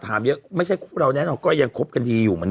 ถามเยอะไม่ใช่คู่เราแน่นอนก็ยังคบกันดีอยู่เหมือนกัน